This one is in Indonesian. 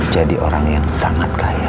orang yang sangat kaya